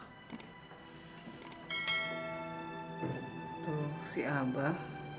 tuh si abah